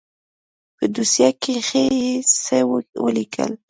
په دوسيه کښې يې څه وليکل.